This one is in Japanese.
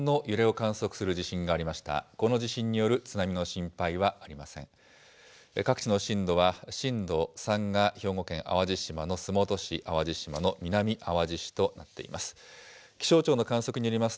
各地の震度は、震度３が兵庫県淡路島の洲本市、淡路島の南あわじ市となっています。